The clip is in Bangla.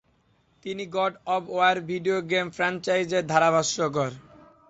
তিনি "God of War" video game ফ্র্যাঞ্চাইজের ধারাভাষ্যকার।